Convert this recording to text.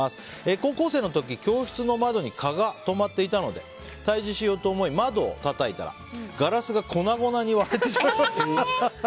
高校生の時、教室の窓に蚊が止まっていたので退治しようと思って窓をたたいたら、ガラスが粉々に割れてしまいました。